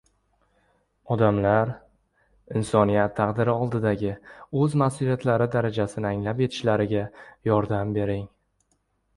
Odamlar, insoniyat taqdiri oldidagi o‘z mas’uliyatlari darajasini anglab yetishlariga yordam bering!